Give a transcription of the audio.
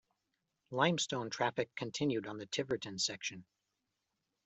Limestone traffic continued on the Tiverton section.